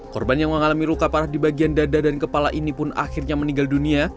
korban yang mengalami luka parah di bagian dada dan kepala ini pun akhirnya meninggal dunia